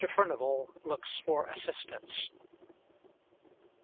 FURNIVAL LOOKS FOR ASSISTANCE.